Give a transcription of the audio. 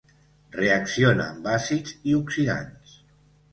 Reacciona amb àcids i oxidants.